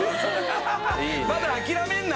まだ諦めんな！